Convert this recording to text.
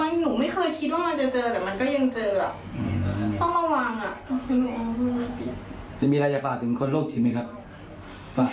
เป็นโรคคลิปก็มีไงเดี๋ยวนี้โรคออนไลน์มัน